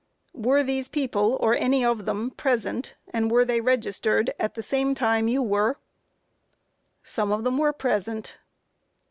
Q. Were these people, or any of them, present, and were they registered at the same time you were? A. Some of them were present.